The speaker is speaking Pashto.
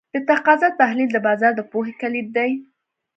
د تقاضا تحلیل د بازار د پوهې کلید دی.